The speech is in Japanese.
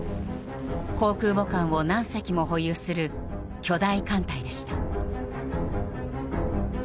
航空母艦を何隻も保有する巨大艦隊でした。